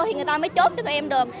thì người ta mới chốt cho tụi em được